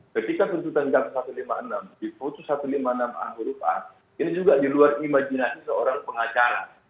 ketika pencetan j satu ratus lima puluh enam diputus j satu ratus lima puluh enam a ini juga di luar imajinasi seorang pengacara